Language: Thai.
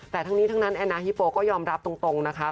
แต่ทั้งนี้ทั้งนั้นแอนนาฮิโปก็ยอมรับตรงนะคะ